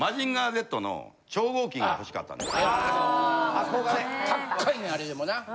・憧れ・たっかいねんあれでもな。